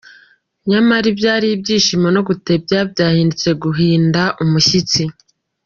Nyamara ibyari ibyishimo no gutebya byahindutse guhinda umushitsi.